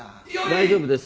大丈夫です